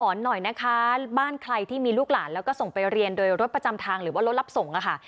หน่อยนะคะบ้านใครที่มีลูกหลานแล้วก็ส่งไปเรียนโดยรถประจำทางหรือว่ารถรับส่งค่ะ